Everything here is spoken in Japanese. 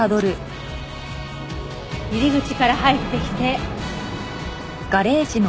入り口から入ってきて。